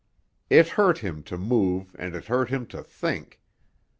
It hurt him to move and it hurt him to think.